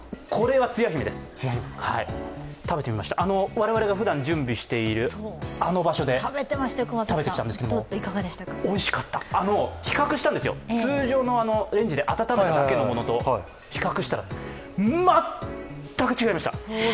我々がふだん準備しているあの場所で食べてきたんですけど、おいしかった、比較したんですよ、通常のレンジで温めただけのものと比較したら、全く違いました。